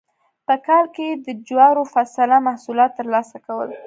په کال کې یې د جوارو فصله محصولات ترلاسه کول.